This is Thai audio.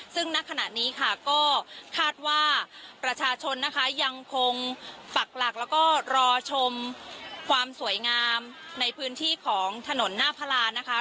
ซึ่งณขณะนี้ค่ะก็คาดว่าประชาชนนะคะยังคงปักหลักแล้วก็รอชมความสวยงามในพื้นที่ของถนนหน้าพระราณนะคะ